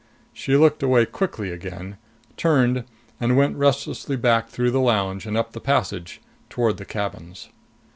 She looked away quickly again, turned and went restlessly back through the lounge, and up the passage, toward the cabins.